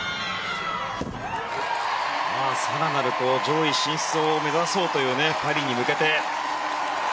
更なる上位進出を目指そうというパリに向けて。